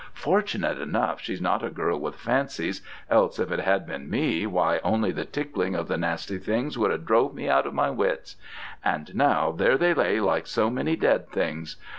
Fortunate enough she's not a girl with fancies, else if it had been me, why only the tickling of the nasty things would have drove me out of my wits. And now there they lay like so many dead things.